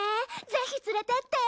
ぜひ連れてって！